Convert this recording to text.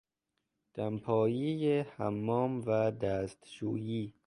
دمپایی حمام و دستشویی